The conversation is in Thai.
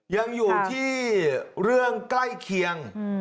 ยังอยู่ที่เรื่องใกล้เคียง